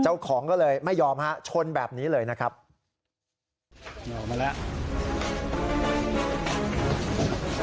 เจ้าของก็เลยไม่ยอมฮะชนแบบนี้เลยนะครับ